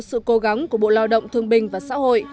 sự cố gắng của bộ lao động thương bình và xã hội